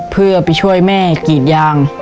เพื่อไปช่วยแม่กรีดยาง